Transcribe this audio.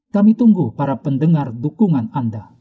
kami tunggu para pendengar dukungan anda